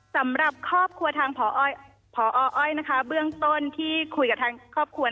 สำหรับครอบครัวทางพออ้อยนะคะเบื้องต้นที่คุยกับทางครอบครัว